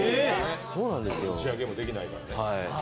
打ち上げもできないからね。